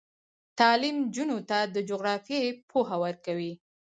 تعلیم نجونو ته د جغرافیې پوهه ورکوي.